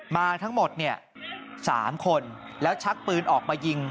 มาทั้งหมด๓คนแล้วชักปืนออกมายิง